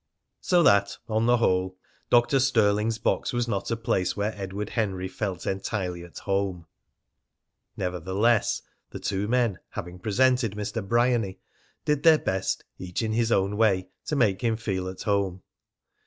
So that, on the whole, Dr. Stirling's box was not a place where Edward Henry felt entirely at home. Nevertheless, the two men, having presented Mr. Bryany, did their best, each in his own way, to make him feel at home.